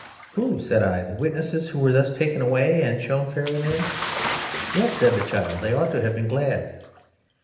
"Who?" said I; "the witnesses who were thus taken away and shown Fairyland?" "Yes," said the child. "They ought to have been glad."